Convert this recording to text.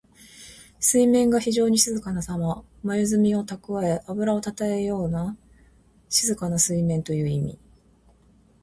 水面が非情に静かなさま。まゆずみをたくわえ、あぶらをたたえたような静かな水面という意味。